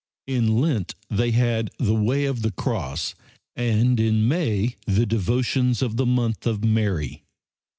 In Lent they had the Way of the Cross, and in May the devotions of the month of Mary.